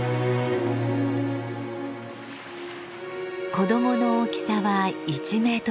子どもの大きさは１メートルほど。